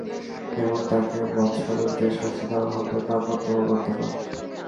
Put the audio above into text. এবং তাকে বদস্বরূপ যে শাস্তি দেওয়া হবে তা প্রত্যক্ষ করতে পারে।